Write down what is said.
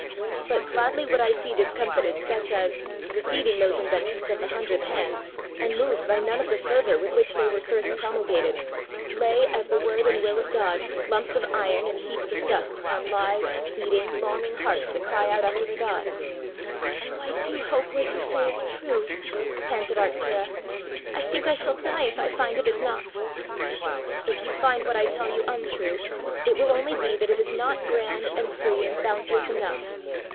But gladly would I see discomfited such as, receiving those inventions at the hundredth hand, and moved by none of the fervour with which they were first promulgated, lay, as the word and will of God, lumps of iron and heaps of dust upon live, beating, longing hearts that cry out after their God!" "Oh, I do hope what you say is true!" panted Arctura. "I think I shall die if I find it is not!" "If you find what I tell you untrue, it will only be that it is not grand and free and bounteous enough.